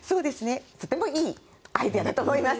とてもいいアイデアだと思います。